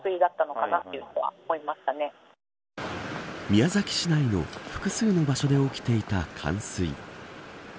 宮崎市内の複数の場所で起きていた冠水。